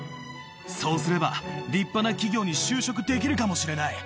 そうすれば、立派な企業に就職できるかもしれない。